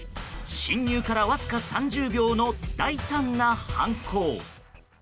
侵入からわずか３０秒の大胆な犯行。